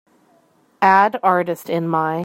add artist in my